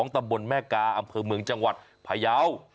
ตำบลแม่กาอำเภอเมืองจังหวัดพยาว